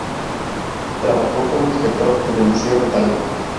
Trabajó como Inspector en el Liceo de Talca.